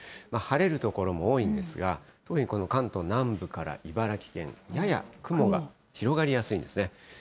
晴れる所も多いんですが、特にこの関東南部から茨城県、やや雲が広がりやすいんですね。